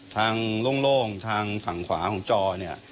ทางโล่งทางฝั่งขวาของจอเนี่ย